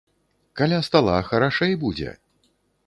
Каля стала харашэй будзе!